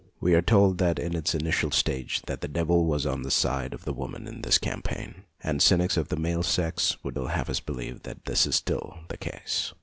We are told that in its initial stage the devil was on the side of women in this campaign, and cynics of the male sex would have us believe 142 THE NEW SEX 143 that this is still the case.